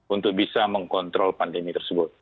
untuk bisa mengkontrol pandemi tersebut